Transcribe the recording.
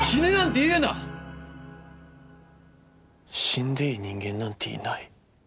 死んでいい人間なんていない。